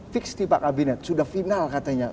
fix di pak kabinet sudah final katanya